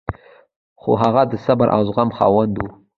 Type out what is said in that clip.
خو هغه د صبر او زغم خاوند و.